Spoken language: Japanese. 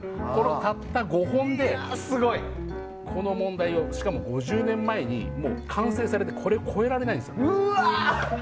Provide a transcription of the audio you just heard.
たった５本でこの問題をしかも５０年前に完成されてこれを超えられないんです。